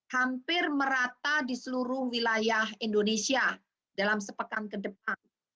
hampir merata di seluruh wilayah indonesia dalam sepekan ke depan